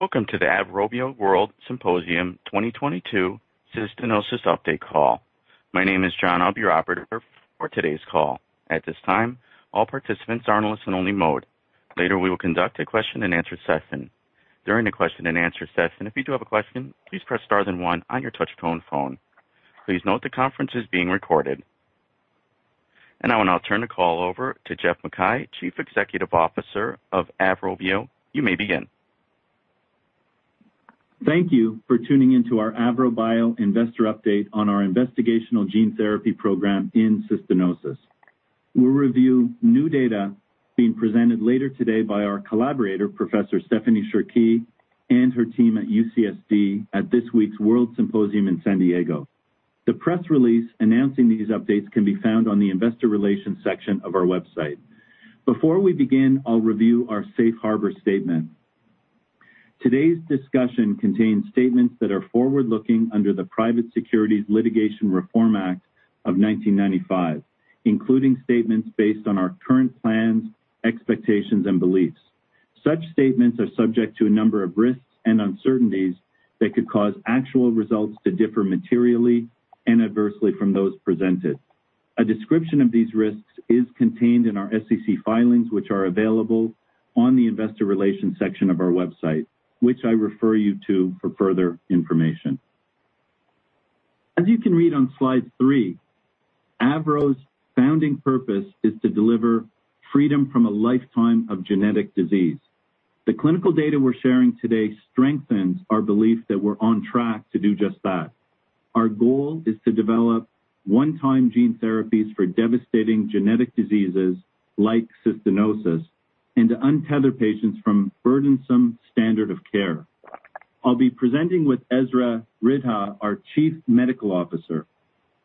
Welcome to the AVROBIO WORLDSymposium 2022 Cystinosis Update Call. My name is John. I'll be your operator for today's call. At this time, all participants are in listen only mode. Later, we will conduct a question-and-answer session. During the question-and-answer session, if you do have a question, please press star then one on your touch-tone phone. Please note the conference is being recorded. Now I'll turn the call over to Geoff MacKay, Chief Executive Officer of AVROBIO. You may begin. Thank you for tuning in to our AVROBIO investor update on our investigational gene therapy program in cystinosis. We'll review new data being presented later today by our collaborator, Professor Stephanie Cherqui and her team at UCSD at this week's WORLDSymposium in San Diego. The press release announcing these updates can be found on the investor relations section of our website. Before we begin, I'll review our safe harbor statement. Today's discussion contains statements that are forward-looking under the Private Securities Litigation Reform Act of 1995, including statements based on our current plans, expectations, and beliefs. Such statements are subject to a number of risks and uncertainties that could cause actual results to differ materially and adversely from those presented. A description of these risks is contained in our SEC filings, which are available on the investor relations section of our website, which I refer you to for further information. As you can read on slide 3, AVROBIO's founding purpose is to deliver freedom from a lifetime of genetic disease. The clinical data we're sharing today strengthens our belief that we're on track to do just that. Our goal is to develop one-time gene therapies for devastating genetic diseases like cystinosis and to untether patients from burdensome standard of care. I'll be presenting with Essra Ridha, our Chief Medical Officer.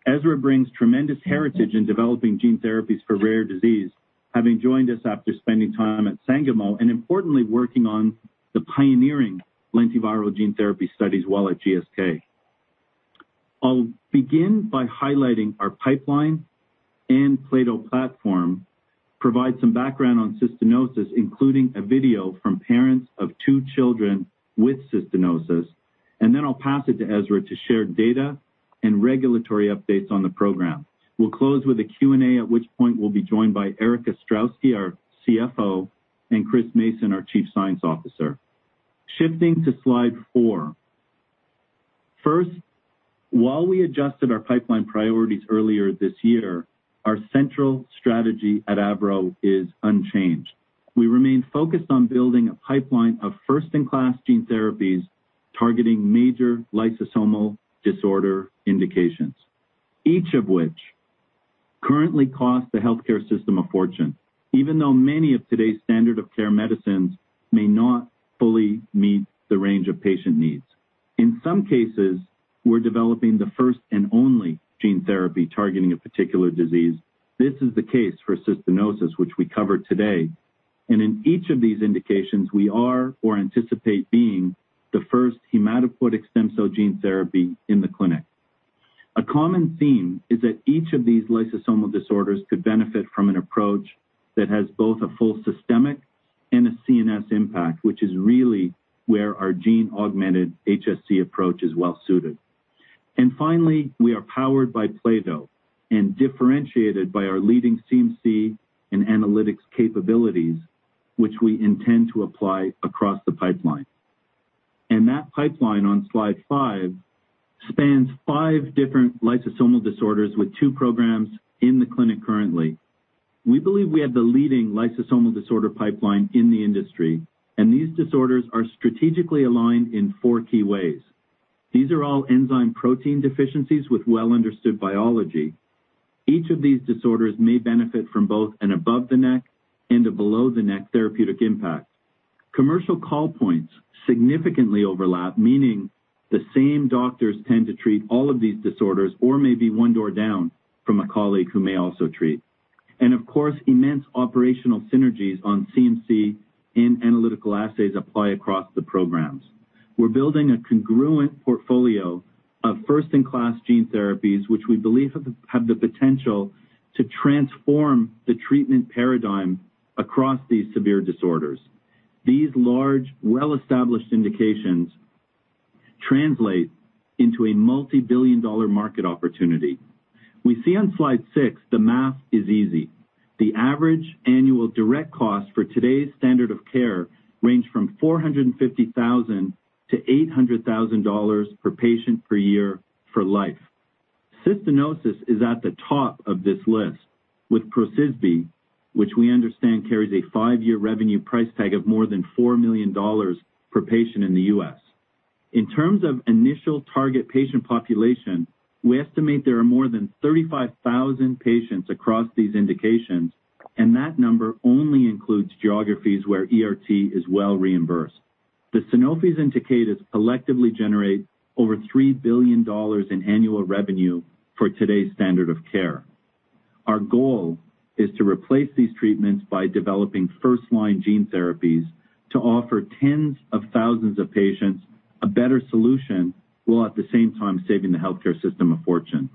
Essra brings tremendous heritage in developing gene therapies for rare disease, having joined us after spending time at Sangamo and importantly, working on the pioneering lentiviral gene therapy studies while at GSK. I'll begin by highlighting our pipeline and Plato platform, provide some background on cystinosis, including a video from parents of 2 children with cystinosis, and then I'll pass it to Essra Ridha to share data and regulatory updates on the program. We'll close with a Q&A, at which point we'll be joined by Erik Ostrowski, our CFO, and Chris Mason, our Chief Science Officer. Shifting to slide 4. First, while we adjusted our pipeline priorities earlier this year, our central strategy at Avro is unchanged. We remain focused on building a pipeline of first-in-class gene therapies targeting major lysosomal disorder indications, each of which currently cost the healthcare system a fortune, even though many of today's standard of care medicines may not fully meet the range of patient needs. In some cases, we're developing the first and only gene therapy targeting a particular disease. This is the case for cystinosis, which we cover today. In each of these indications, we are or anticipate being the first hematopoietic stem cell gene therapy in the clinic. A common theme is that each of these lysosomal disorders could benefit from an approach that has both a full systemic and a CNS impact, which is really where our gene-augmented HSC approach is well suited. Finally, we are powered by Plato and differentiated by our leading CMC and analytics capabilities, which we intend to apply across the pipeline. That pipeline on slide 5 spans 5 different lysosomal disorders with 2 programs in the clinic currently. We believe we have the leading lysosomal disorder pipeline in the industry, and these disorders are strategically aligned in 4 key ways. These are all enzyme protein deficiencies with well-understood biology. Each of these disorders may benefit from both an above-the-neck and a below-the-neck therapeutic impact. Commercial call points significantly overlap, meaning the same doctors tend to treat all of these disorders or may be one door down from a colleague who may also treat. Of course, immense operational synergies on CMC and analytical assays apply across the programs. We're building a congruent portfolio of first-in-class gene therapies, which we believe have the potential to transform the treatment paradigm across these severe disorders. These large, well-established indications translate into a multi-billion dollar market opportunity. We see on slide 6 the math is easy. The average annual direct cost for today's standard of care range from $450,000 to $800,000 per patient per year for life. Cystinosis is at the top of this list with PROCYSBI, which we understand carries a five-year revenue price tag of more than $4 million per patient in the U.S. In terms of initial target patient population, we estimate there are more than 35,000 patients across these indications, and that number only includes geographies where ERT is well reimbursed. The Sanofi and Takeda collectively generate over $3 billion in annual revenue for today's standard of care. Our goal is to replace these treatments by developing first-line gene therapies to offer tens of thousands of patients a better solution, while at the same time saving the healthcare system a fortune.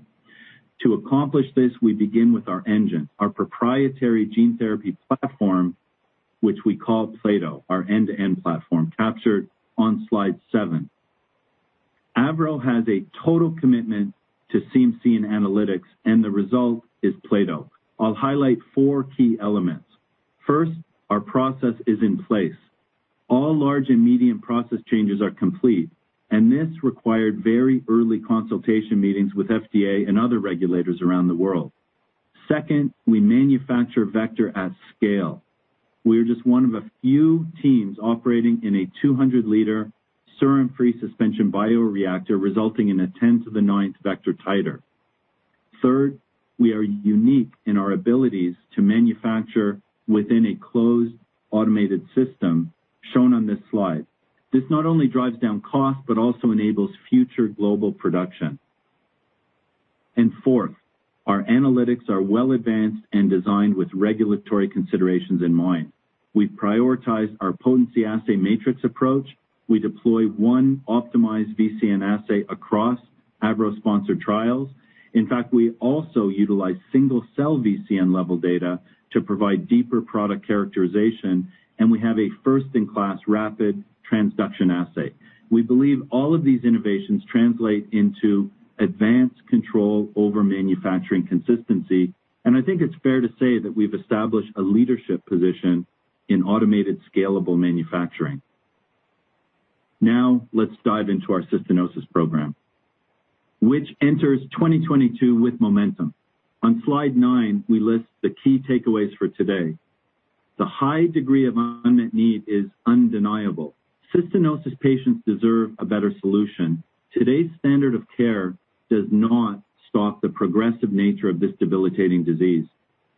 To accomplish this, we begin with our engine, our proprietary gene therapy platform, which we call Plato, our end-to-end platform captured on slide 7. AVROBIO has a total commitment to CMC and analytics, and the result is Plato. I'll highlight 4 key elements. First, our process is in place. All large and medium process changes are complete, and this required very early consultation meetings with FDA and other regulators around the world. Second, we manufacture vector at scale. We are just one of a few teams operating in a 200-liter serum-free suspension bioreactor, resulting in a 10^9 vector titer. Third, we are unique in our abilities to manufacture within a closed automated system shown on this slide. This not only drives down cost, but also enables future global production. Fourth, our analytics are well advanced and designed with regulatory considerations in mind. We prioritize our potency assay matrix approach. We deploy one optimized VCN assay across AVRO-sponsored trials. In fact, we also utilize single-cell VCN level data to provide deeper product characterization, and we have a first-in-class rapid transduction assay. We believe all of these innovations translate into advanced control over manufacturing consistency, and I think it's fair to say that we've established a leadership position in automated scalable manufacturing. Now let's dive into our cystinosis program, which enters 2022 with momentum. On slide 9, we list the key takeaways for today. The high degree of unmet need is undeniable. Cystinosis patients deserve a better solution. Today's standard of care does not stop the progressive nature of this debilitating disease.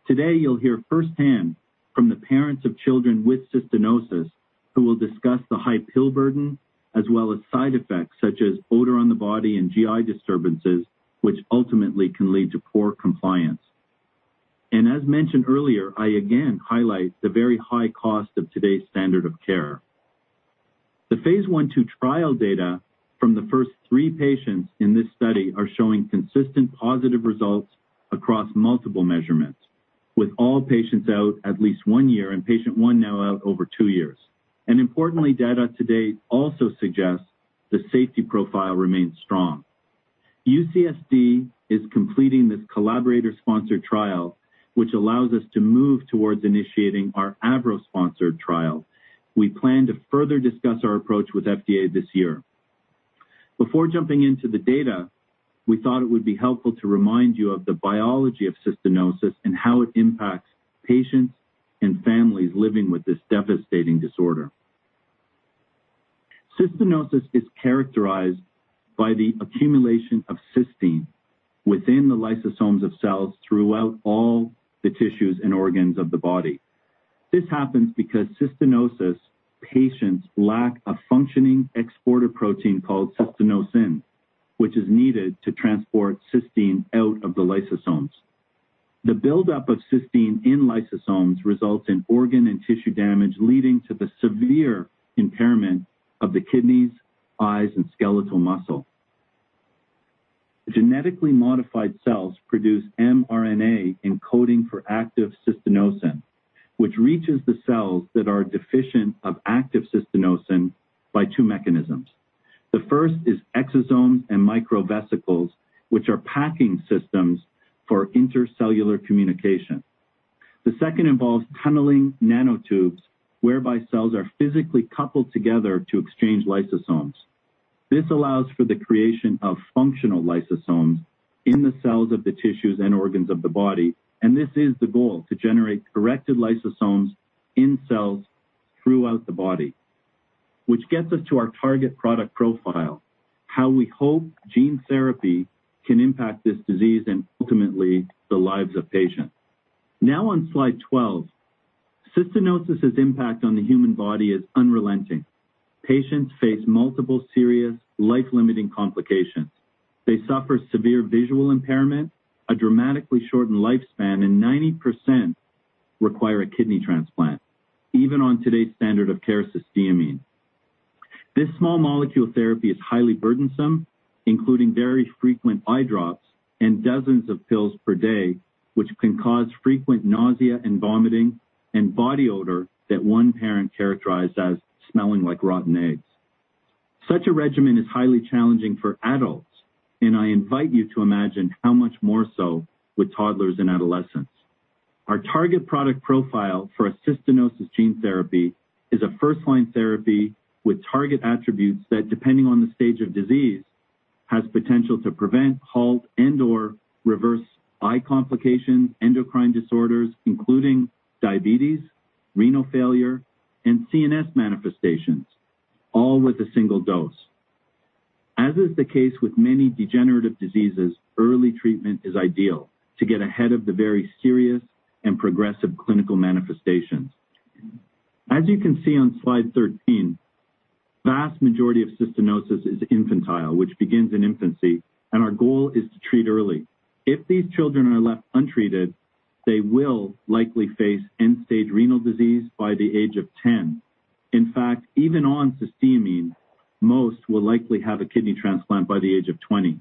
Today, you'll hear firsthand from the parents of children with cystinosis who will discuss the high pill burden as well as side effects such as odor on the body and GI disturbances, which ultimately can lead to poor compliance. As mentioned earlier, I again highlight the very high cost of today's standard of care. The phase I/II trial data from the first three patients in this study are showing consistent positive results across multiple measurements, with all patients out at least 1 year and patient 1 now out over 2 years. Importantly, data to date also suggests the safety profile remains strong. UCSD is completing this collaborator-sponsored trial, which allows us to move towards initiating our AVRO-sponsored trial. We plan to further discuss our approach with FDA this year. Before jumping into the data, we thought it would be helpful to remind you of the biology of cystinosis and how it impacts patients and families living with this devastating disorder. Cystinosis is characterized by the accumulation of cystine within the lysosomes of cells throughout all the tissues and organs of the body. This happens because cystinosis patients lack a functioning exporter protein called cystinosin, which is needed to transport cystine out of the lysosomes. The buildup of cystine in lysosomes results in organ and tissue damage, leading to the severe impairment of the kidneys, eyes, and skeletal muscle. Genetically modified cells produce mRNA encoding for active cystinosin, which reaches the cells that are deficient of active cystinosin by two mechanisms. The first is exosomes and microvesicles, which are packing systems for intercellular communication. The second involves tunneling nanotubes, whereby cells are physically coupled together to exchange lysosomes. This allows for the creation of functional lysosomes in the cells of the tissues and organs of the body, and this is the goal, to generate corrected lysosomes in cells throughout the body, which gets us to our target product profile, how we hope gene therapy can impact this disease and ultimately the lives of patients. Now on slide 12. Cystinosis's impact on the human body is unrelenting. Patients face multiple serious life-limiting complications. They suffer severe visual impairment, a dramatically shortened lifespan, and 90% require a kidney transplant, even on today's standard of care, cysteamine. This small molecule therapy is highly burdensome, including very frequent eye drops and dozens of pills per day, which can cause frequent nausea and vomiting and body odor that one parent characterized as smelling like rotten eggs. Such a regimen is highly challenging for adults, and I invite you to imagine how much more so with toddlers and adolescents. Our target product profile for a cystinosis gene therapy is a first-line therapy with target attributes that, depending on the stage of disease, has potential to prevent, halt, and/or reverse eye complications, endocrine disorders, including diabetes, renal failure, and CNS manifestations, all with a single dose. As is the case with many degenerative diseases, early treatment is ideal to get ahead of the very serious and progressive clinical manifestations. As you can see on slide 13, vast majority of cystinosis is infantile, which begins in infancy, and our goal is to treat early. If these children are left untreated, they will likely face end-stage renal disease by the age of 10. In fact, even on cysteamine, most will likely have a kidney transplant by the age of 20.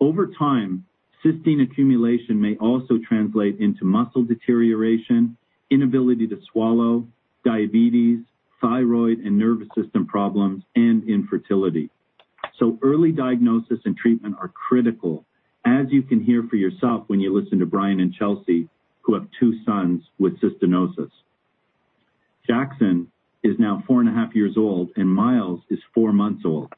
Over time, cystine accumulation may also translate into muscle deterioration, inability to swallow, diabetes, thyroid and nervous system problems, and infertility. Early diagnosis and treatment are critical, as you can hear for yourself when you listen to Brian and Chelsea, who have two sons with cystinosis. Jackson is now four and a half years old, and Miles is four months old.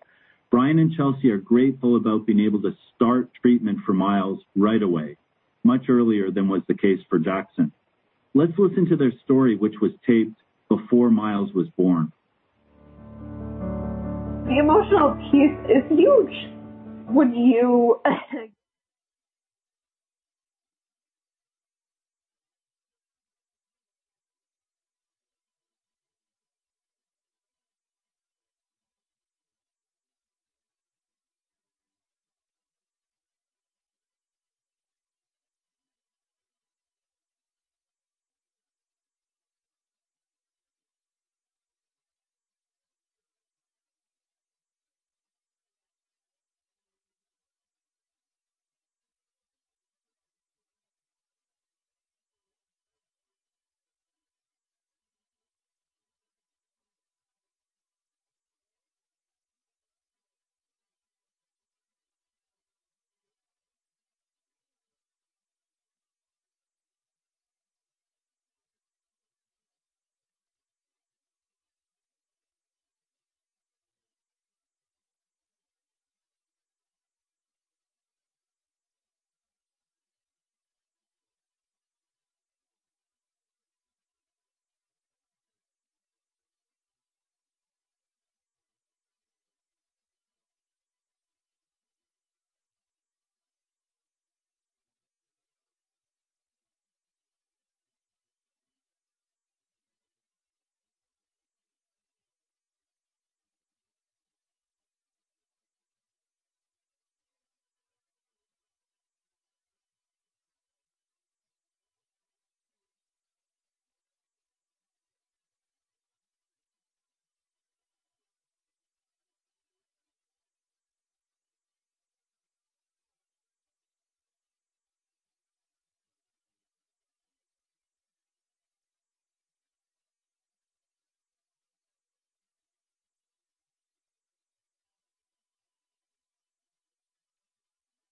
Brian and Chelsea are grateful about being able to start treatment for Miles right away, much earlier than was the case for Jackson. Let's listen to their story, which was taped before Miles was born. The emotional piece is huge. When you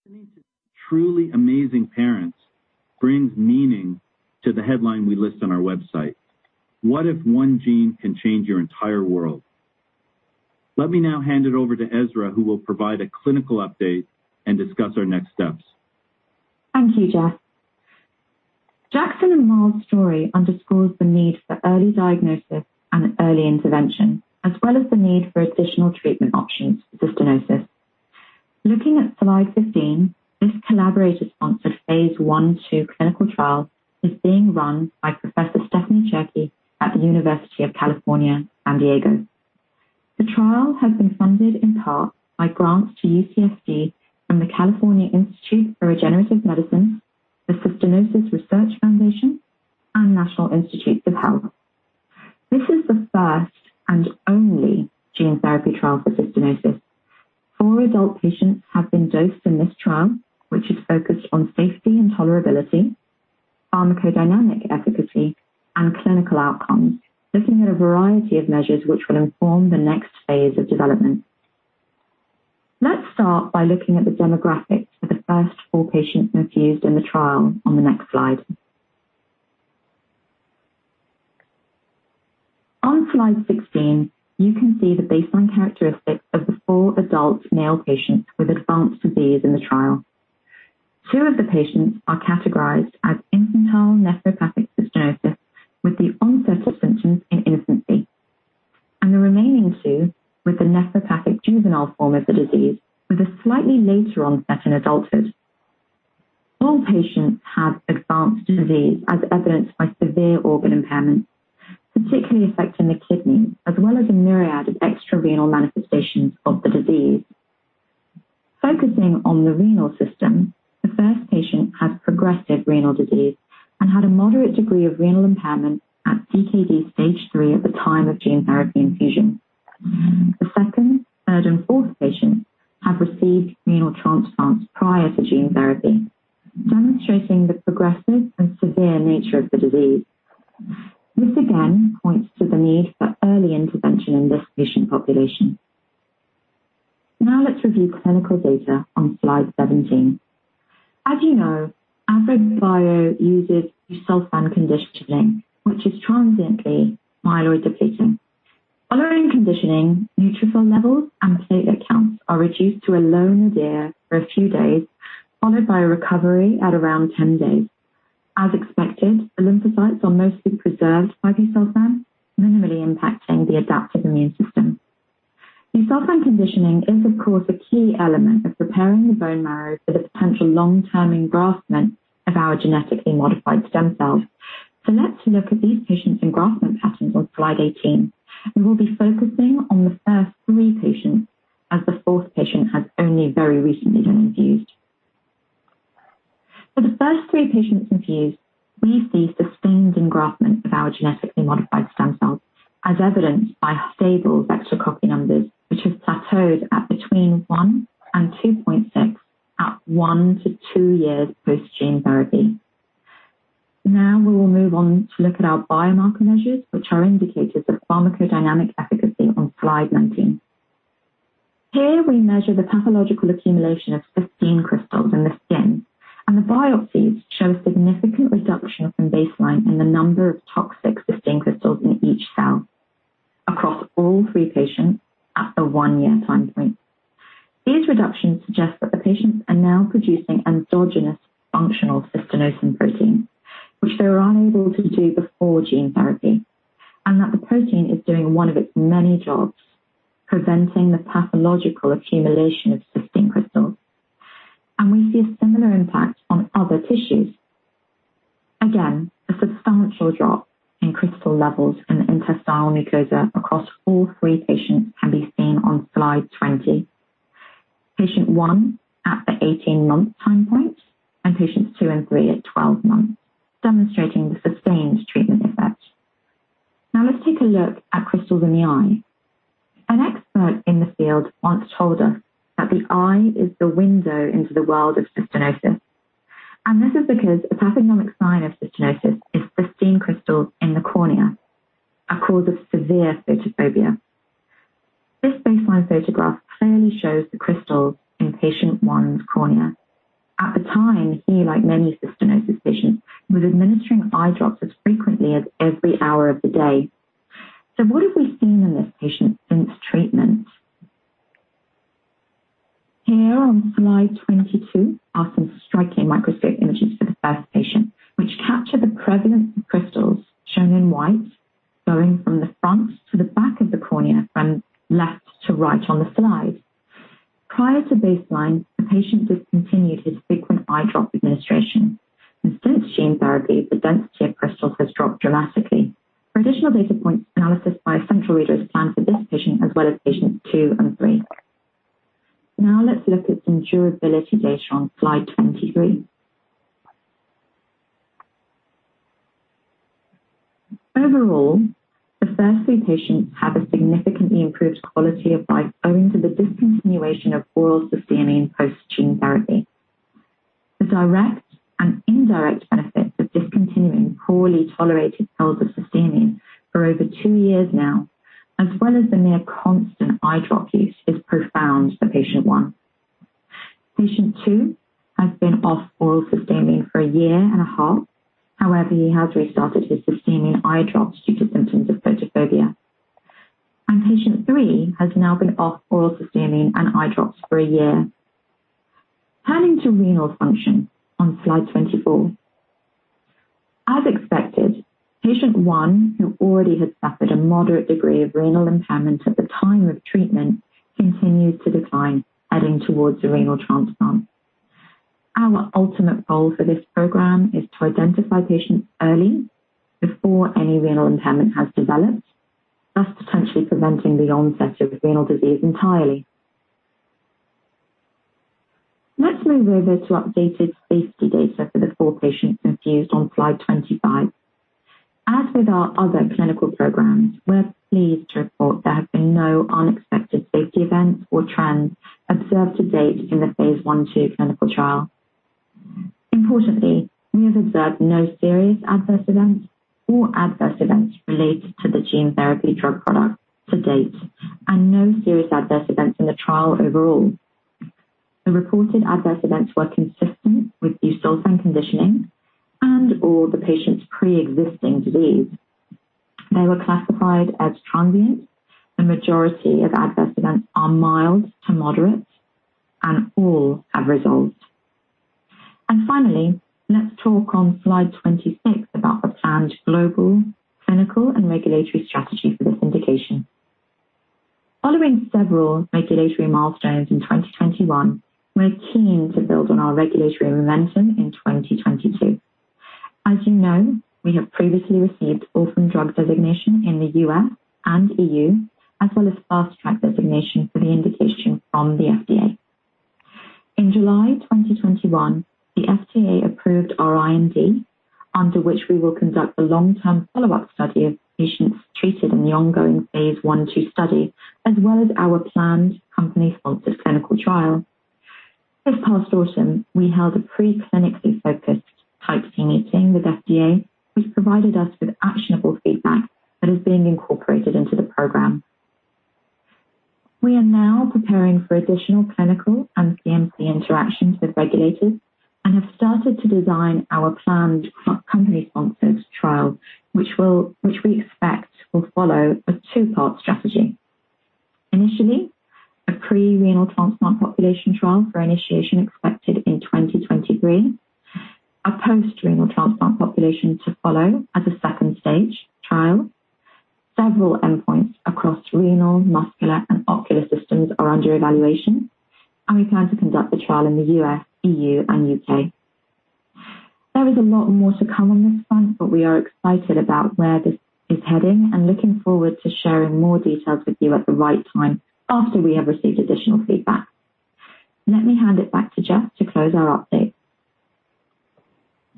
listen to truly amazing parents, it brings meaning to the headline we list on our website. What if one gene can change your entire world? Let me now hand it over to Essra, who will provide a clinical update and discuss our next steps. Thank you, Geoff. Jackson and Miles' story underscores the need for early diagnosis and early intervention, as well as the need for additional treatment options for cystinosis. Looking at slide 15, this collaborator-sponsored phase I/II clinical trial is being run by Professor Stephanie Cherqui at the University of California, San Diego. The trial has been funded in part by grants to UCSD from the California Institute for Regenerative Medicine, the Cystinosis Research Foundation, and National Institutes of Health. This is the first and only gene therapy trial for cystinosis. 4 adult patients have been dosed in this trial, which is focused on safety and tolerability, pharmacodynamic efficacy, and clinical outcomes, looking at a variety of measures which will inform the next phase of development. Let's start by looking at the demographics for the first 4 patients infused in the trial on the next slide. On slide 16, you can see the baseline characteristics of the four adult male patients with advanced disease in the trial. Two of the patients are categorized as infantile nephropathic cystinosis with the onset of symptoms in infancy, and the remaining two with the nephropathic juvenile form of the disease with a slightly later onset in adulthood. All patients have advanced disease as evidenced by severe organ impairment, particularly affecting the kidney, as well as a myriad of extra-renal manifestations of the disease. Focusing on the renal system, the first patient had progressive renal disease and had a moderate degree of renal impairment at CKD stage three at the time of gene therapy infusion. The second, third, and fourth patients have received renal transplants prior to gene therapy, demonstrating the progressive and severe nature of the disease. This again points to the need for early intervention in this patient population. Now let's review clinical data on slide 17. As you know, AVROBIO uses busulfan conditioning, which is transiently myeloid depleting. Following conditioning, neutrophil levels and platelet counts are reduced to a low nadir for a few days, followed by a recovery at around 10 days. As expected, the lymphocytes are mostly preserved by busulfan, minimally impacting the adaptive immune system. Busulfan conditioning is, of course, a key element of preparing the bone marrow for the potential long-term engraftment of our genetically modified stem cells. Let's look at these patients' engraftment patterns on slide 18, and we'll be focusing on the first three patients as the fourth patient has only very recently been infused. The first three patients infused, we see sustained engraftment of our genetically modified stem cells as evidenced by stable extra copy numbers, which have plateaued at between 1 and 2.6 at 1 to 2 years post gene therapy. Now we will move on to look at our biomarker measures, which are indicators of pharmacodynamic efficacy on slide 19. Here we measure the pathological accumulation of cystine crystals in the skin, and the biopsies show significant reduction from baseline in the number of toxic cystine crystals in each cell across all three patients at the 1-year time point. These reductions suggest that the patients are now producing endogenous functional cystinosin protein, which they were unable to do before gene therapy, and that the protein is doing one of its many jobs, preventing the pathological accumulation of cystine crystals. We see a similar impact on other tissues. Again, a substantial drop in crystal levels in the intestinal mucosa across all three patients can be seen on slide 20. Patient 1 at the 18-month time point and patients 2 and 3 at 12 months, demonstrating the sustained treatment effect. Now let's take a look at crystals in the eye. An expert in the field once told us that the eye is the window into the world of cystinosis. This is because a pathognomonic sign of cystinosis is cystine crystals in the cornea, a cause of severe photophobia. This baseline photograph clearly shows the crystals in patient 1's cornea. At the time, he, like many cystinosis patients, was administering eye drops as frequently as every hour of the day. What have we seen in this patient since treatment? Here on slide 22 are some striking microscope images for the first patient, which capture the prevalence of crystals shown in white, going from the front to the back of the cornea from left to right on the slide. Prior to baseline, the patient discontinued his frequent eye drop administration. Since gene therapy, the density of crystals has dropped dramatically. Additional data points analysis by a central reader is planned for this patient as well as patients 2 and 3. Now let's look at some durability data on slide 23. Overall, the first three patients have a significantly improved quality of life owing to the discontinuation of oral cysteamine post gene therapy. The direct and indirect benefits of discontinuing poorly tolerated pills of cysteamine for over 2 years now, as well as the near constant eye drop use, is profound for patient one. Patient two has been off oral cysteamine for a year and a half. However, he has restarted his cysteamine eye drops due to symptoms of photophobia. Patient three has now been off oral cysteamine and eye drops for a year. Turning to renal function on slide 24. As expected, patient one, who already had suffered a moderate degree of renal impairment at the time of treatment, continues to decline, heading towards a renal transplant. Our ultimate goal for this program is to identify patients early before any renal impairment has developed, thus potentially preventing the onset of renal disease entirely. Let's move over to updated safety data for the four patients infused on slide 25. As with our other clinical programs, we're pleased to report there have been no unexpected safety events or trends observed to date in the phase I/II clinical trial. Importantly, we have observed no serious adverse events or adverse events related to the gene therapy drug product to date and no serious adverse events in the trial overall. The reported adverse events were consistent with busulfan conditioning and/or the patient's pre-existing disease. They were classified as transient. The majority of adverse events are mild to moderate, and all have resolved. Finally, let's talk on slide 26 about the planned global, clinical, and regulatory strategy for this indication. Following several regulatory milestones in 2021, we're keen to build on our regulatory momentum in 2022. As you know, we have previously received orphan drug designation in the U.S. and EU, as well as Fast Track Designation for the indication from the FDA. In July 2021, the FDA approved our IND, under which we will conduct the long-term follow-up study of patients treated in the ongoing phase I/II study, as well as our planned company-sponsored clinical trial. This past autumn, we held a pre-clinically focused Type C meeting with FDA, which provided us with actionable feedback that is being incorporated into the program. We are now preparing for additional clinical and CMC interactions with regulators and have started to design our planned company-sponsored trial, which we expect will follow a two-part strategy. Initially, a pre-renal transplant population trial for initiation expected in 2023. A post-renal transplant population to follow as a second stage trial. Several endpoints across renal, muscular, and ocular systems are under evaluation, and we plan to conduct the trial in the U.S., E.U., and U.K. There is a lot more to come on this front, but we are excited about where this is heading and looking forward to sharing more details with you at the right time after we have received additional feedback. Let me hand it back to to close our update.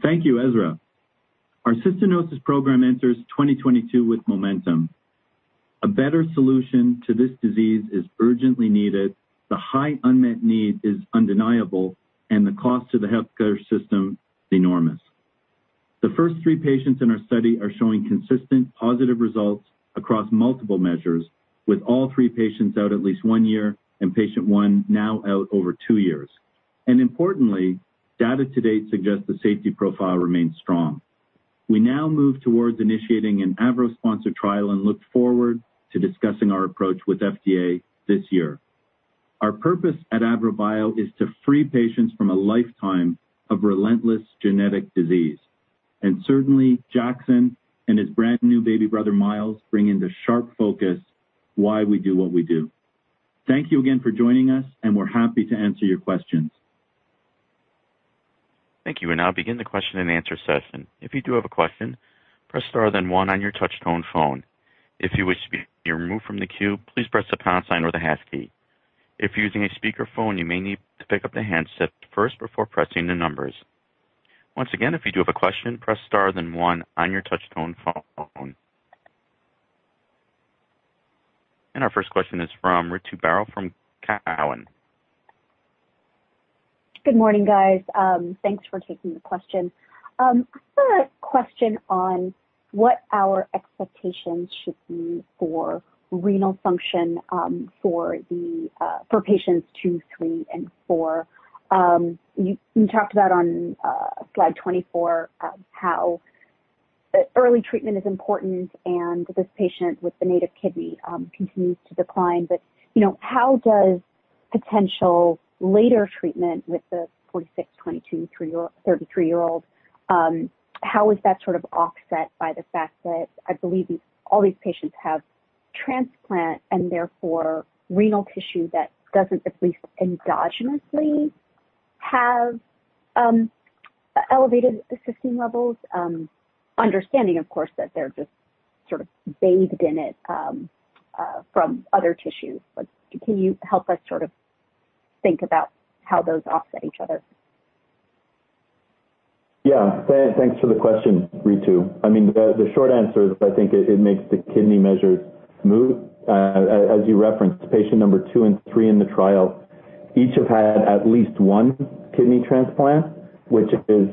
Thank you, Ezra. Our cystinosis program enters 2022 with momentum. A better solution to this disease is urgently needed. The high unmet need is undeniable, and the cost to the healthcare system is enormous. The first three patients in our study are showing consistent positive results across multiple measures, with all three patients out at least one year and patient one now out over two years. Importantly, data to date suggests the safety profile remains strong. We now move towards initiating an AVROBIO-sponsored trial and look forward to discussing our approach with FDA this year. Our purpose at AVROBIO is to free patients from a lifetime of relentless genetic disease. Certainly, Jackson and his brand-new baby brother, Miles, bring into sharp focus why we do what we do. Thank you again for joining us, and we're happy to answer your questions. Thank you. We'll now begin the question and answer session. If you do have a question, press star then one on your touch tone phone. If you wish to be removed from the queue, please press the pound sign or the hash key. If you're using a speaker phone, you may need to pick up the handset first before pressing the numbers. Once again, if you do have a question, press star then one on your touch tone phone. Our first question is from Ritu Baral from Cowen. Good morning, guys. Thanks for taking the question. I had a question on what our expectations should be for renal function for patients two, three, and four. You talked about on slide 24 how early treatment is important and this patient with the native kidney continues to decline. You know, how does potential later treatment with the 46-, 22- and 33-year-old how is that sort of offset by the fact that I believe all these patients have transplant and therefore renal tissue that doesn't at least endogenously have elevated cystine levels? Understanding of course, that they're just sort of bathed in it from other tissues. Can you help us sort of think about how those offset each other? Yeah. Thanks for the question, Ritu. I mean, the short answer is I think it makes the kidney measures moot. As you referenced, patient number 2 and 3 in the trial each have had at least one kidney transplant, which is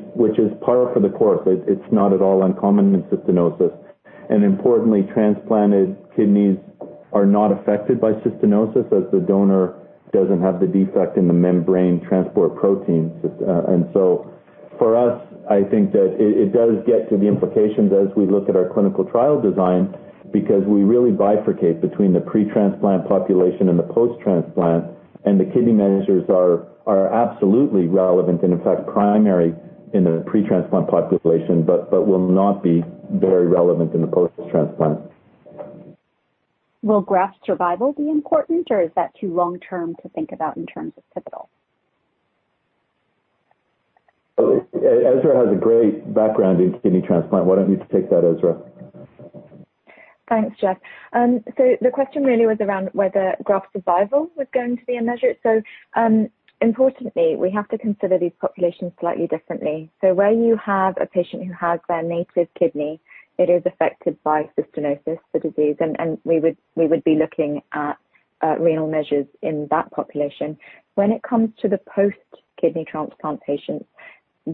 par for the course. It's not at all uncommon in cystinosis. Importantly, transplanted kidneys are not affected by cystinosis as the donor doesn't have the defect in the membrane transport protein, and so for us, I think that it does get to the implications as we look at our clinical trial design because we really bifurcate between the pre-transplant population and the post-transplant, and the kidney measures are absolutely relevant and in fact primary in the pre-transplant population, but will not be very relevant in the post-transplant. Will graft survival be important, or is that too long-term to think about in terms of pivotal? Essra has a great background in kidney transplant. Why don't you take that, Essra? Thanks, Jeff. The question really was around whether graft survival was going to be a measure. Importantly, we have to consider these populations slightly differently. Where you have a patient who has their native kidney, it is affected by cystinosis, the disease, and we would be looking at renal measures in that population. When it comes to the post-kidney transplant patients,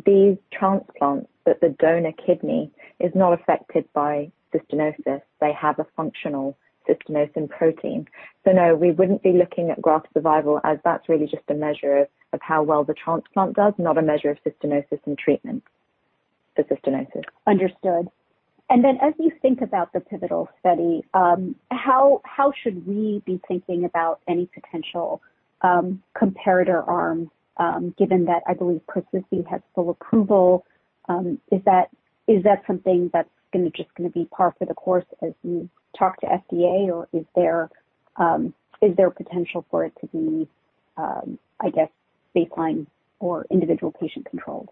these transplants that the donor kidney is not affected by cystinosis, they have a functional cystinosin protein. No, we wouldn't be looking at graft survival as that's really just a measure of how well the transplant does, not a measure of cystinosis and treatment for cystinosis. Understood. As you think about the pivotal study, how should we be thinking about any potential comparator arms, given that I believe CYSTARAN has full approval, is that something that's just gonna be par for the course as you talk to FDA or is there potential for it to be, I guess baseline or individual patient controlled?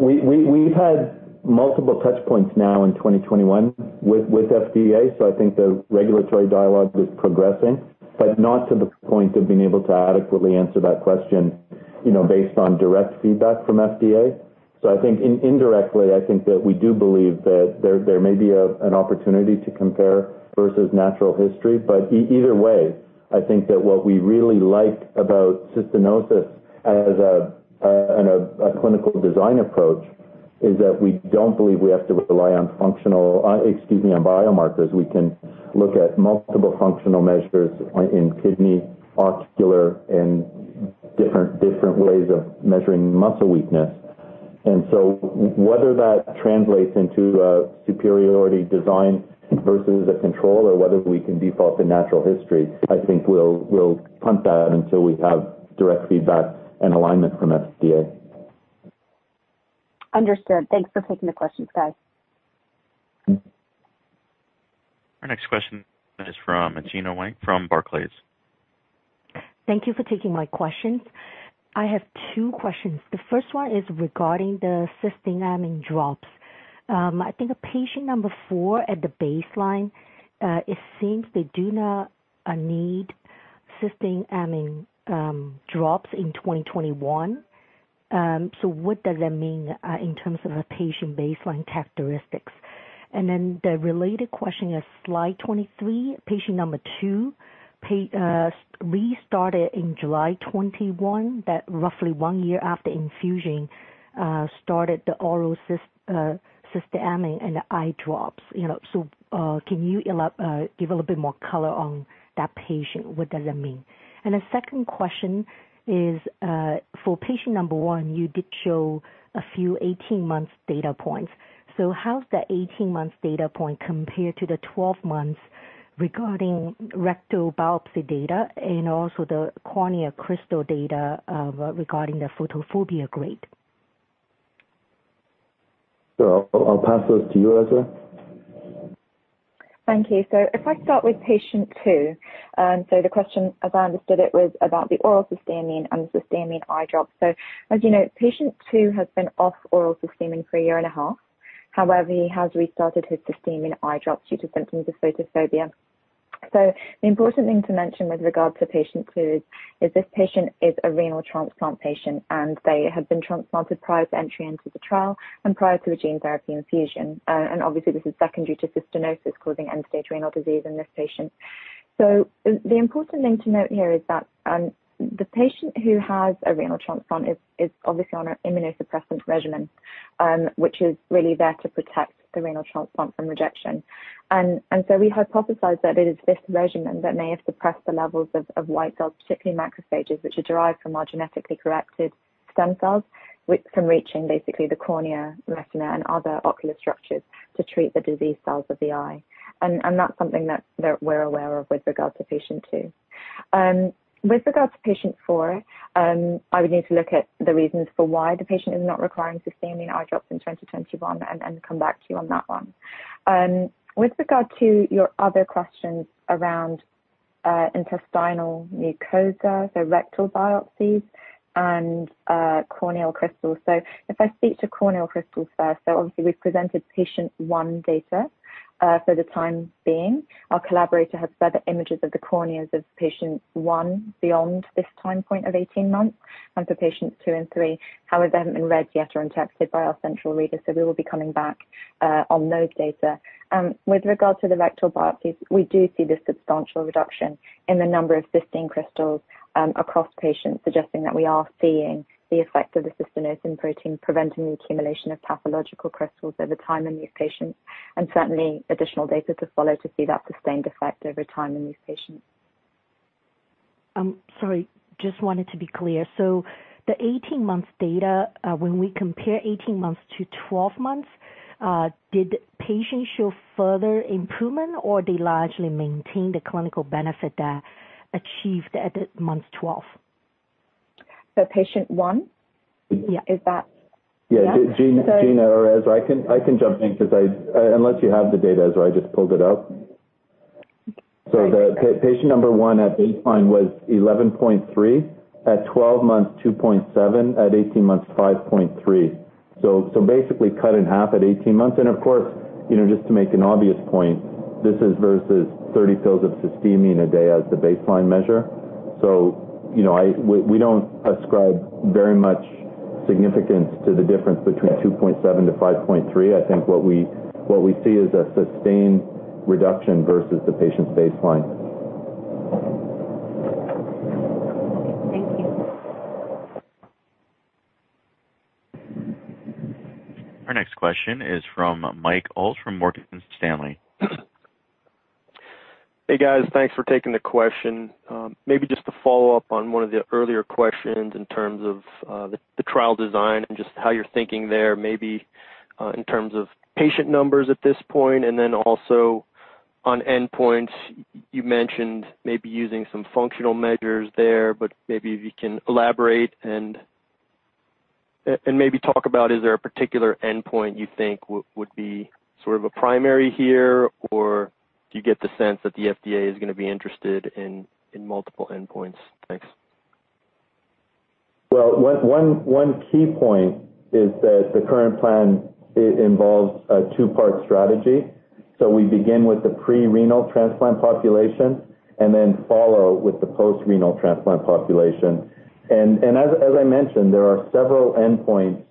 We've had multiple touch points now in 2021 with FDA. I think the regulatory dialogue is progressing, but not to the point of being able to adequately answer that question, you know, based on direct feedback from FDA. I think indirectly, I think that we do believe that there may be an opportunity to compare versus natural history. But either way, I think that what we really like about cystinosis as a clinical design approach is that we don't believe we have to rely on biomarkers. We can look at multiple functional measures in kidney, ocular, and different ways of measuring muscle weakness. Whether that translates into a superiority design versus a control or whether we can default to natural history, I think we'll punt that until we have direct feedback and alignment from FDA. Understood. Thanks for taking the questions, guys. Our next question is from Gena Wang from Barclays. Thank you for taking my questions. I have two questions. The first one is regarding the cysteamine drops. I think patient number 4 at the baseline, it seems they do not need cysteamine drops in 2021. What does that mean in terms of a patient baseline characteristics? The related question is slide 23, patient number 2 restarted in July 2021, that roughly 1 year after infusion started the oral cysteamine and the eye drops, you know. Can you give a little bit more color on that patient, what does that mean? The second question is for patient number 1, you did show a few 18 months data points. How's the 18 months data point compare to the 12 months regarding rectal biopsy data and also the cornea crystal data, regarding the photophobia grade? Sure. I'll pass those to you, Essra. Thank you. If I start with patient 2, the question, as I understood it, was about the oral cysteamine and the cysteamine eye drops. As you know, patient 2 has been off oral cysteamine for a year and a half. However, he has restarted his cysteamine eye drops due to symptoms of photophobia. The important thing to mention with regards to patient 2 is this patient is a renal transplant patient, and they have been transplanted prior to entry into the trial and prior to the gene therapy infusion. And obviously, this is secondary to cystinosis causing end-stage renal disease in this patient. The important thing to note here is that the patient who has a renal transplant is obviously on a immunosuppressant regimen, which is really there to protect the renal transplant from rejection. We hypothesized that it is this regimen that may have suppressed the levels of white cells, particularly macrophages, which are derived from our genetically corrected stem cells from reaching basically the cornea, retina, and other ocular structures to treat the disease cells of the eye. That's something that we're aware of with regard to patient two. With regard to patient four, I would need to look at the reasons for why the patient is not requiring cysteamine eye drops in 2021 and come back to you on that one. With regard to your other questions around intestinal mucosa, rectal biopsies and corneal crystals. If I speak to corneal crystals first, obviously we've presented patient one data for the time being. Our collaborator has further images of the corneas of patient 1 beyond this time point of 18 months and for patients 2 and 3. However, they haven't been read yet or interpreted by our central reader, so we will be coming back on those data. With regard to the rectal biopsies, we do see the substantial reduction in the number of cystine crystals across patients, suggesting that we are seeing the effect of the cystinosin protein preventing the accumulation of pathological crystals over time in these patients. Certainly additional data to follow to see that sustained effect over time in these patients. Sorry, just wanted to be clear. The 18 months data, when we compare 18 months to 12 months, did patients show further improvement or they largely maintained the clinical benefit, achieved at month 12? Patient one? Yeah. Is that- Yeah. Gena or Essra, I can jump in 'cause unless you have the data, Essra. I just pulled it up. Okay. The patient number one at baseline was 11.3. At 12 months, 2.7. At 18 months, 5.3. Basically cut in half at 18 months. Of course, you know, just to make an obvious point, this is versus 30 pills of cysteamine a day as the baseline measure. You know, we don't ascribe very much significance to the difference between 2.7 to 5.3. I think what we see is a sustained reduction versus the patient's baseline. Thank you. Our next question is from Michael Ulz from Morgan Stanley. Hey, guys. Thanks for taking the question. Maybe just to follow up on one of the earlier questions in terms of the trial design and just how you're thinking there, maybe in terms of patient numbers at this point, and then also on endpoints, you mentioned maybe using some functional measures there, but maybe if you can elaborate and maybe talk about is there a particular endpoint you think would be sort of a primary here, or do you get the sense that the FDA is going to be interested in multiple endpoints? Thanks. Well, one key point is that the current plan involves a two-part strategy. We begin with the pre-renal transplant population and then follow with the post-renal transplant population. As I mentioned, there are several endpoints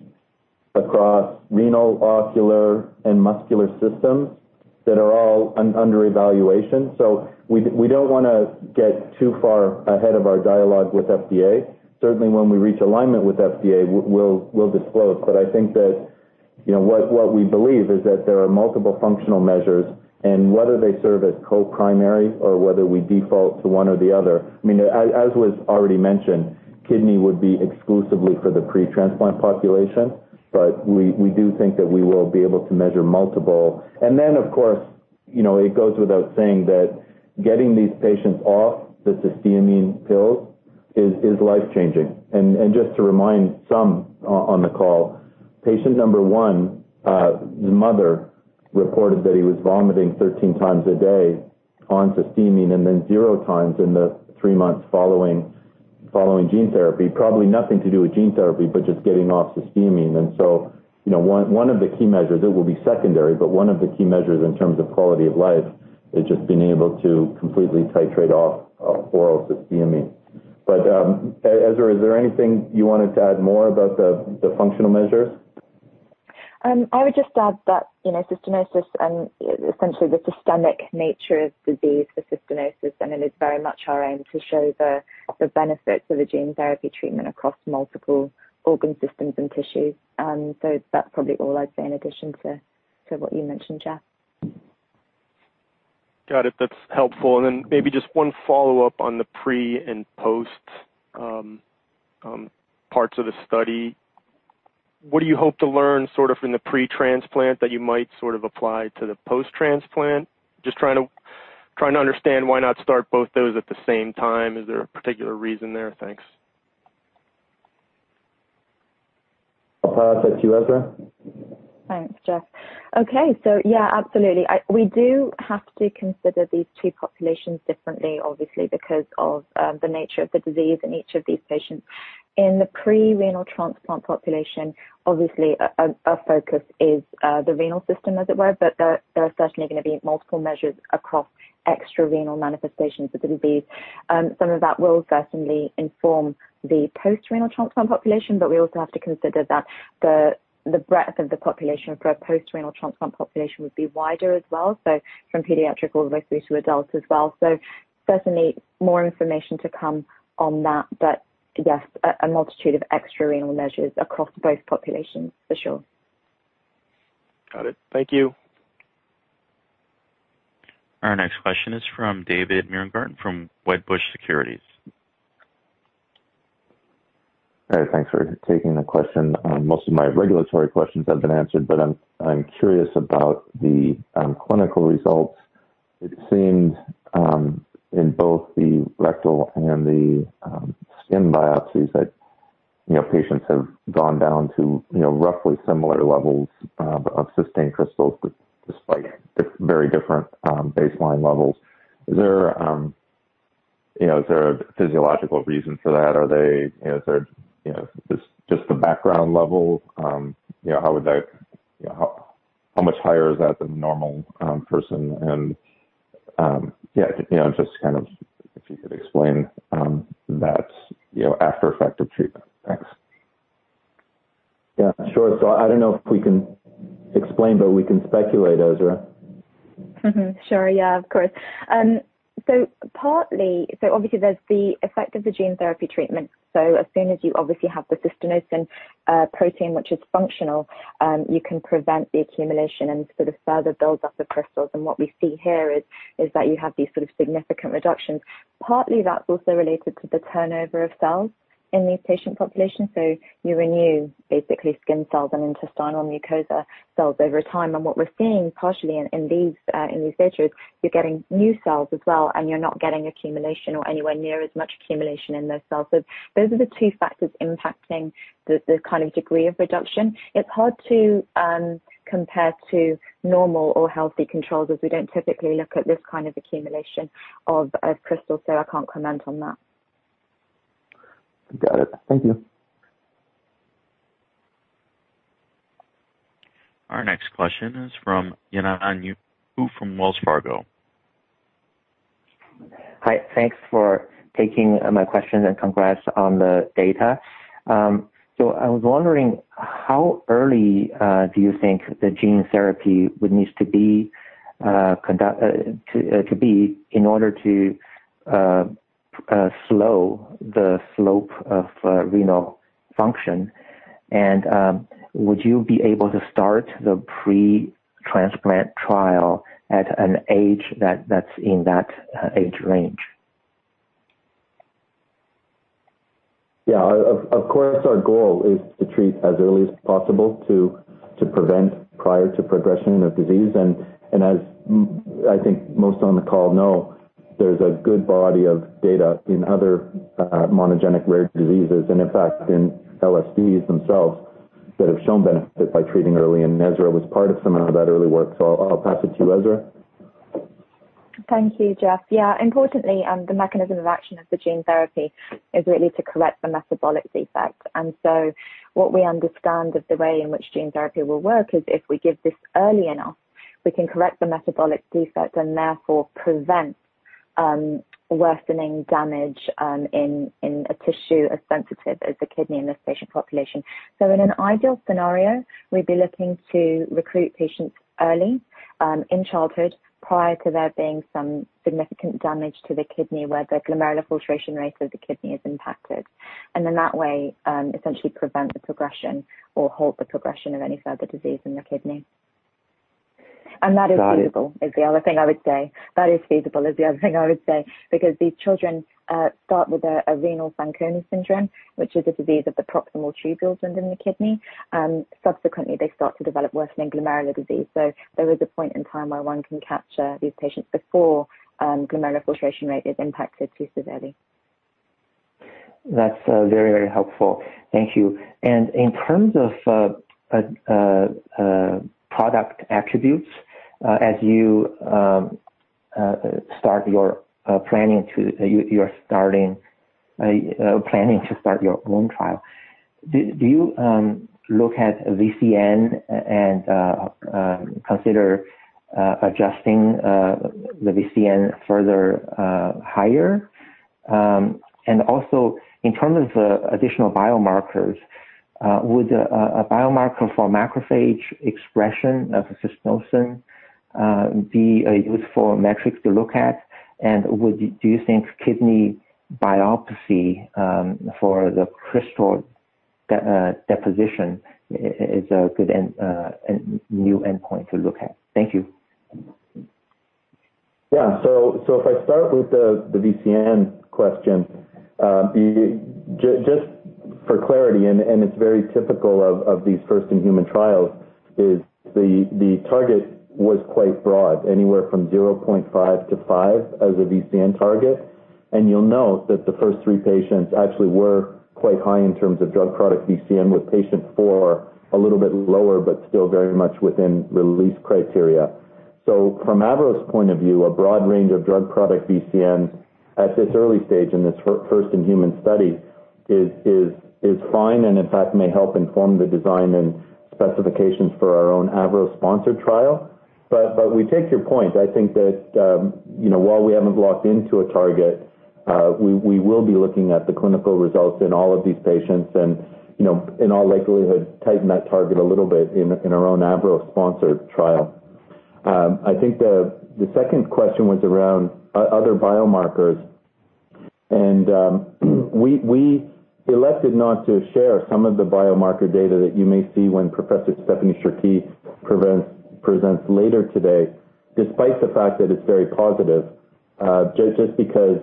across renal, ocular, and muscular systems that are all under evaluation. We don't wanna get too far ahead of our dialogue with FDA. Certainly, when we reach alignment with FDA, we'll disclose. I think that, you know, what we believe is that there are multiple functional measures, and whether they serve as co-primary or whether we default to one or the other. I mean, as was already mentioned, kidney would be exclusively for the pre-transplant population. We do think that we will be able to measure multiple. Of course, you know, it goes without saying that getting these patients off the cysteamine pills is life-changing. Just to remind some on the call, patient number one, the mother reported that he was vomiting 13 times a day on cysteamine and then 0 times in the 3 months following gene therapy. Probably nothing to do with gene therapy, but just getting off cysteamine. You know, one of the key measures, it will be secondary, but one of the key measures in terms of quality of life is just being able to completely titrate off oral cysteamine. Ezra, is there anything you wanted to add more about the functional measures? I would just add that, you know, cystinosis, essentially the systemic nature of disease for cystinosis, and it is very much our aim to show the benefits of a gene therapy treatment across multiple organ systems and tissues. That's probably all I'd say in addition to what you mentioned, Jeff. Got it. That's helpful. Maybe just one follow-up on the pre- and post- parts of the study. What do you hope to learn in the pre-transplant that you might sort of apply to the post-transplant? Just trying to understand why not start both those at the same time. Is there a particular reason there? Thanks. I'll pass that to you, Essra. Thanks, Jeff. Okay. Yeah, absolutely. We do have to consider these two populations differently, obviously, because of the nature of the disease in each of these patients. In the pre-renal transplant population, obviously, a focus is the renal system, as it were, but there are certainly gonna be multiple measures across extra renal manifestations of the disease. Some of that will certainly inform the post-renal transplant population, but we also have to consider that the breadth of the population for a post-renal transplant population would be wider as well, from pediatric all the way through to adults as well. Certainly more information to come on that. Yes, a multitude of extra renal measures across both populations for sure. Got it. Thank you. Our next question is from David Nierengarten from Wedbush Securities. All right, thanks for taking the question. Most of my regulatory questions have been answered, but I'm curious about the clinical results. It seemed in both the rectal and the skin biopsies that, you know, patients have gone down to, you know, roughly similar levels of cystine crystals despite very different baseline levels. Is there, a physiological reason for that? Are they, you know, just the background level? You know, how much higher is that than normal person? And yeah, you know, just to kind of if you could explain that, you know, after effective treatment. Thanks. Yeah, sure. I don't know if we can explain, but we can speculate, Essra. Sure. Yeah, of course. Obviously there's the effect of the gene therapy treatment. As soon as you obviously have the cystinosin protein, which is functional, you can prevent the accumulation and sort of further build up of crystals. What we see here is that you have these sort of significant reductions. Partly that's also related to the turnover of cells in these patient populations. You renew basically skin cells and intestinal mucosa cells over time. What we're seeing partially in these data is you're getting new cells as well and you're not getting accumulation or anywhere near as much accumulation in those cells. Those are the two factors impacting the kind of degree of reduction. It's hard to compare to normal or healthy controls as we don't typically look at this kind of accumulation of crystals, so I can't comment on that. Got it. Thank you. Our next question is from Yanan Zhu from Wells Fargo. Hi. Thanks for taking my question and congrats on the data. So I was wondering how early do you think the gene therapy would need to be conducted in order to slow the slope of renal function? Would you be able to start the pre-transplant trial at an age that is in that age range? Yeah. Of course, our goal is to treat as early as possible to prevent prior to progression of disease. I think most on the call know, there's a good body of data in other monogenic rare diseases and in fact in LSDs themselves that have shown benefit by treating early. Ezra was part of some of that early work, so I'll pass it to Ezra. Thank you, Jeff. Yeah. Importantly, the mechanism of action of the gene therapy is really to correct the metabolic defect. What we understand of the way in which gene therapy will work is if we give this early enough, we can correct the metabolic defect and therefore prevent worsening damage in a tissue as sensitive as the kidney in this patient population. In an ideal scenario, we'd be looking to recruit patients early in childhood prior to there being some significant damage to the kidney where the glomerular filtration rate of the kidney is impacted. In that way, essentially prevent the progression or halt the progression of any further disease in the kidney. That is feasible, is the other thing I would say. That is feasible, is the other thing I would say because these children start with a renal Fanconi syndrome, which is a disease of the proximal tubules within the kidney. Subsequently, they start to develop worsening glomerular disease. There is a point in time where one can capture these patients before glomerular filtration rate is impacted too severely. That's very, very helpful. Thank you. In terms of product attributes, as you're starting planning to start your own trial, do you look at VCN and consider adjusting the VCN further higher? In terms of additional biomarkers, would a biomarker for macrophage expression of cystinosis be a useful metric to look at? Do you think kidney biopsy for the crystal deposition is a good and new endpoint to look at? Thank you. Yeah. If I start with the VCN question, just for clarity, and it's very typical of these first-in-human trials, the target was quite broad, anywhere from 0.5-5 as a VCN target. You'll note that the first 3 patients actually were quite high in terms of drug product VCN, with patient 4 a little bit lower, but still very much within the release criteria. From Avro's point of view, a broad range of drug product VCNs at this early stage in this first-in-human study is fine and in fact may help inform the design and specifications for our own Avro-sponsored trial. We take your point. I think that, while we haven't locked into a target, we will be looking at the clinical results in all of these patients and, you know, in all likelihood, tighten that target a little bit in our own AVROBIO-sponsored trial. I think the second question was around other biomarkers. We elected not to share some of the biomarker data that you may see when Professor Stephanie Cherqui presents later today, despite the fact that it's very positive, just because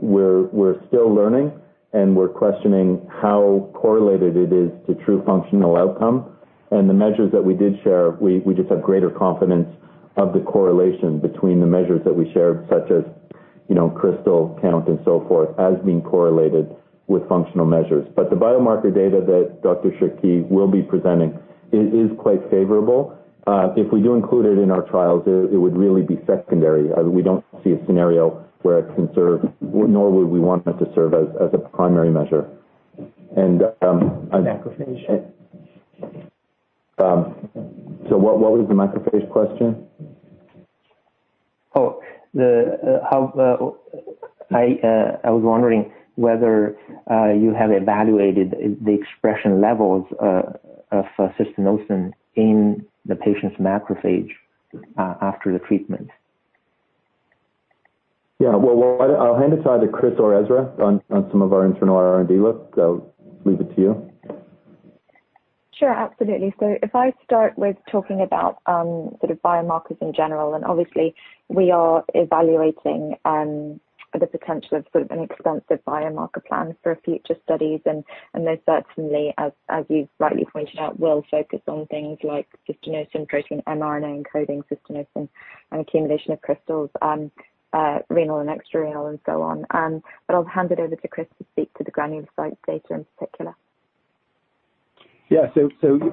we're still learning, and we're questioning how correlated it is to true functional outcome. The measures that we did share, we just have greater confidence of the correlation between the measures that we shared, such as, crystal count and so forth, as being correlated with functional measures. The biomarker data that Dr. Cherqui will be presenting is quite favorable. If we do include it in our trials, it would really be secondary. We don't see a scenario where it can serve, nor would we want it to serve as a primary measure. Macrophage. What was the macrophage question? I was wondering whether you have evaluated the expression levels of cystinosin in the patient's macrophage after the treatment. Yeah. Well, I'll hand it over to Chris or Ezra on some of our internal R&D work, so leave it to you. Sure. Absolutely. If I start with talking about sort of biomarkers in general, and obviously we are evaluating the potential of sort of an expansive biomarker plan for future studies. Most certainly, as you've rightly pointed out, will focus on things like cystinosin protein, mRNA encoding cystinosin and accumulation of crystals, renal and extrarenal and so on. I'll hand it over to Chris to speak to the granulocyte data in particular. Yeah.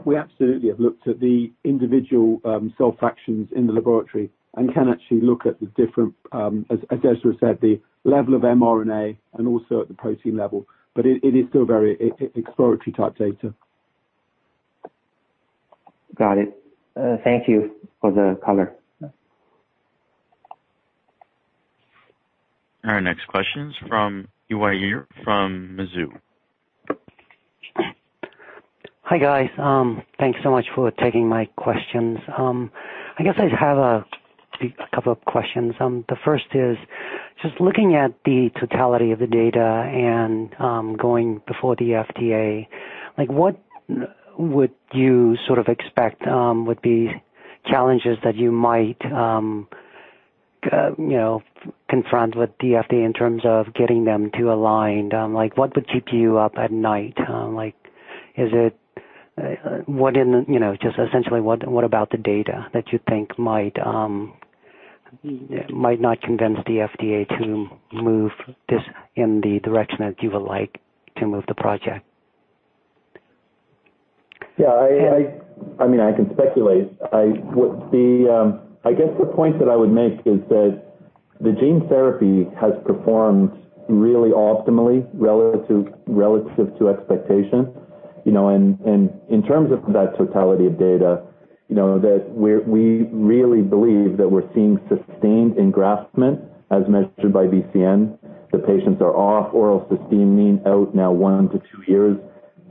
We absolutely have looked at the individual cell fractions in the laboratory and can actually look at the different, as Ezra said, the level of mRNA and also at the protein level. It is still very exploratory type data. Got it. Thank you for the color. Yeah. Our next question is from Yanan Zhu. Hi, guys. Thanks so much for taking my questions. I guess I have a couple of questions. The first is, just looking at the totality of the data and going before the FDA, like, what would you sort of expect would be challenges that you might you know confront with the FDA in terms of getting them to align? Like, what would keep you up at night? Like, is it what in the you know just essentially what about the data that you think might not convince the FDA to move this in the direction that you would like to move the project? Yeah. I mean, I can speculate. I would be. I guess the point that I would make is that the gene therapy has performed really optimally relative to expectation, you know. In terms of that totality of data, you know, we really believe that we're seeing sustained engraftment as measured by VCN. The patients are off oral cysteamine now 1-2 years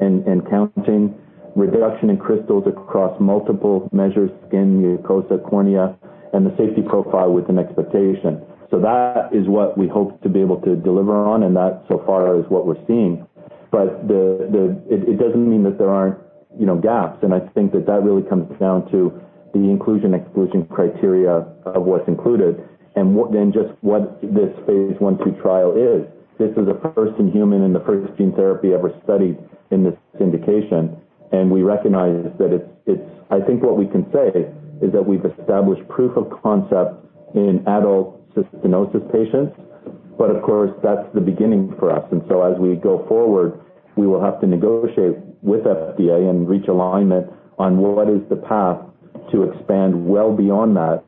and counting. Reduction in crystals across multiple measures, skin, mucosa, cornea, and the safety profile with an expectation. That is what we hope to be able to deliver on, and that so far is what we're seeing. It doesn't mean that there aren't, you know, gaps. I think that really comes down to the inclusion/exclusion criteria of what's included and what is more than just what this phase I/II trial is. This is a first in human and the first gene therapy ever studied in this indication, and we recognize that it's. I think what we can say is that we've established proof of concept in adult cystinosis patients. Of course, that's the beginning for us. We will have to negotiate with FDA and reach alignment on what is the path to expand well beyond that,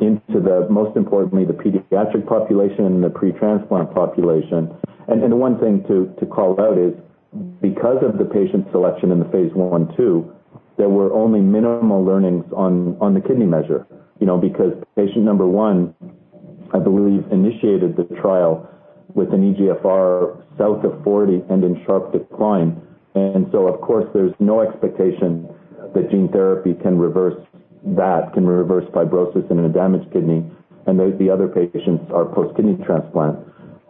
into the, most importantly, the pediatric population and the pre-transplant population. One thing to call out is because of the patient selection in the phase I and II, there were only minimal learnings on the kidney measure, you know, because patient number one, I believe, initiated the trial with an eGFR south of 40 and in sharp decline. Of course, there's no expectation that gene therapy can reverse that, reverse fibrosis in a damaged kidney, and the other patients are post-kidney transplant.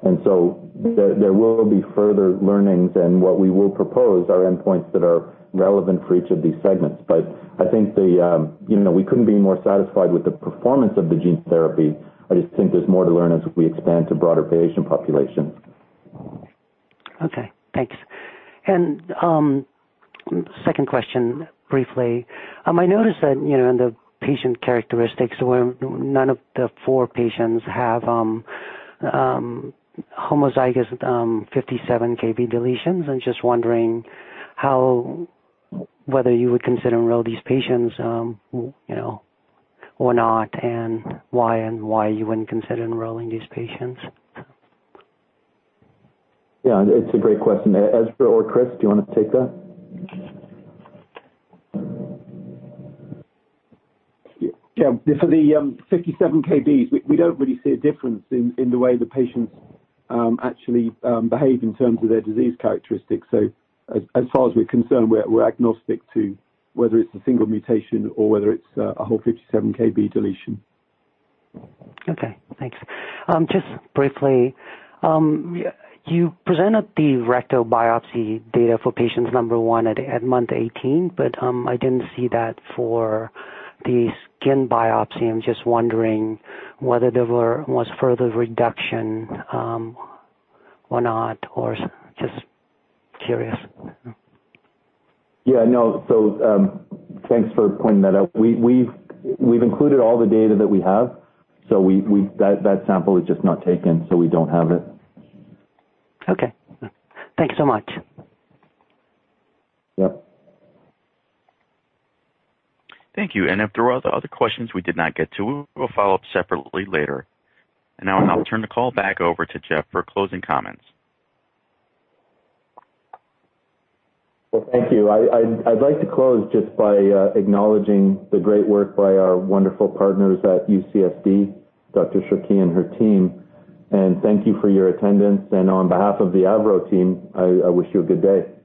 There will be further learnings and what we will propose are endpoints that are relevant for each of these segments. I think, you know, we couldn't be more satisfied with the performance of the gene therapy. I just think there's more to learn as we expand to broader patient populations. Okay. Thanks. Second question briefly. I noticed that, you know, in the patient characteristics where none of the four patients have homozygous 57-kb deletions. I'm just wondering whether you would consider enroll these patients, you know, or not and why, and why you wouldn't consider enrolling these patients. Yeah. It's a great question. Essra or Chris, do you wanna take that? Yeah. For the 57-kb, we don't really see a difference in the way the patients actually behave in terms of their disease characteristics. As far as we're concerned, we're agnostic to whether it's a single mutation or whether it's a whole 57-kb deletion. Okay, thanks. Just briefly, you presented the rectal biopsy data for patients number one at month 18, but I didn't see that for the skin biopsy. I'm just wondering whether there was further reduction or not, or just curious. Yeah, no. Thanks for pointing that out. We've included all the data that we have. That sample is just not taken, so we don't have it. Okay. Thanks so much. Yep. Thank you. If there were other questions we did not get to, we will follow up separately later. Now I'll turn the call back over to Geoff for closing comments. Well, thank you. I'd like to close just by acknowledging the great work by our wonderful partners at UCSD, Dr. Cherqui and her team. Thank you for your attendance. On behalf of the AVROBIO team, I wish you a good day.